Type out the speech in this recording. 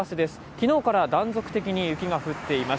昨日から断続的に雪が降っています。